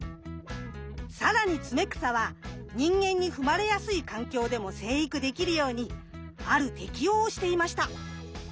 更にツメクサは人間に踏まれやすい環境でも生育できるようにある適応をしていました。